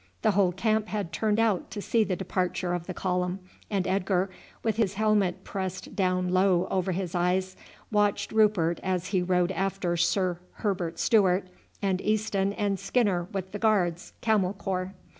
The whole camp had turned out to see the departure of the column, and Edgar, with his helmet pressed down low over his eyes, watched Rupert as he rode after Sir Herbert Stewart, and Easton and Skinner with the Guards Camel Corps.